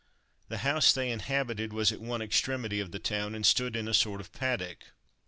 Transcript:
The house they inhabited was at one extremity of the town, and stood in a sort of paddock.